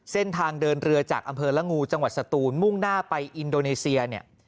เส้นทางเดินเรือจากอำเภอละงูจังหวัดสตูนมุ่งหน้าไปอินโดนีเซียเนี่ย